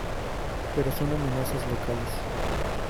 Pero son amenazas locales.